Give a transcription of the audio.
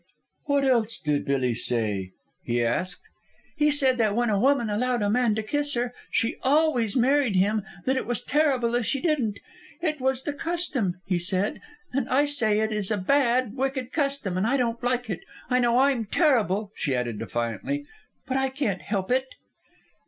"What else did Billy say?" he asked. "He said that when a woman allowed a man to kiss her, she always married him that it was terrible if she didn't. It was the custom, he said; and I say it is a bad, wicked custom, and I don't like it. I know I'm terrible," she added defiantly, "but I can't help it."